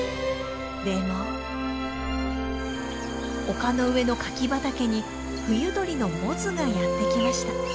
でも丘の上の柿畑に冬鳥のモズがやって来ました。